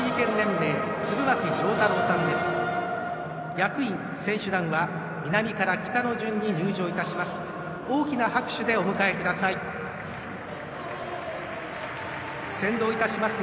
役員・選手団は南から北の順に入場いたします。